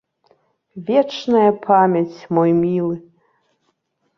Вечная памяць, мой мілы!